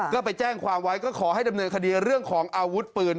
ก็ไปแจ้งความไว้ก็ขอให้ดำเนินคดีเรื่องของอาวุธปืน